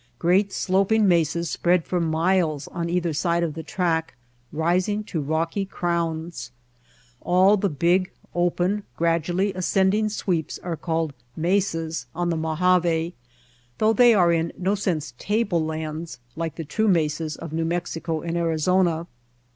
Great sloping mesas spread for miles on either side of the track, rising to rocky crowns. All the big, open, gradually ascending sweeps are called mesas on the Mojave, though they are in no sense table lands like the true mesas of New Mexico and Arizona.